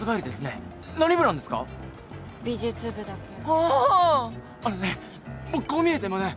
あのね